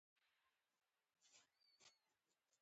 د ځوانانو د شخصي پرمختګ لپاره پکار ده چې فیشن پوهه ورکړي.